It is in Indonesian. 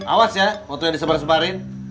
awas ya waktunya disebar sebarin